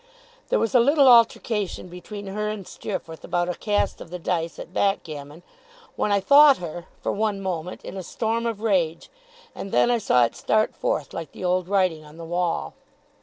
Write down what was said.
There was a little altercation between her and Steerforth about a cast of the dice at backgammon when I thought her, for one moment, in a storm of rage; and then I saw it start forth like the old writing on the wall.